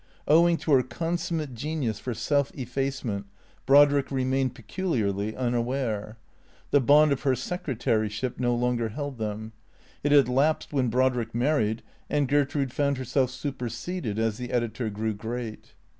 Owing to her consummate genius for self effacement, Brodrick remained peculiarly unaware. The bond of her secretaryship no longer held them. It had lapsed when Brodrick married, and Gertrude found herself superseded as the editor grew great.